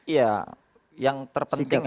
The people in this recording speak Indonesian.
ya yang terpenting